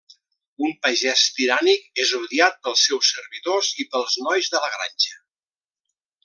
Un pagès tirànic és odiat pels seus servidors i pels nois de la granja.